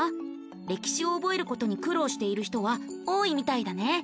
歴史を覚えることに苦労している人は多いみたいだね。